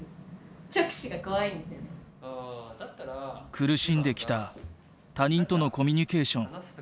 苦しんできた他人とのコミュニケーション。